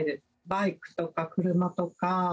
バイクとか車とか。